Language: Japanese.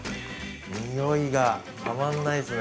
匂いがたまんないですね